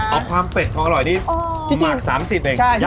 เอาความเป็ดความอร่อยที่หมัก๓๐เอง